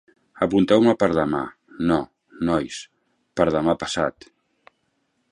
Apunteu-me per demà, no, nois, per demà passat.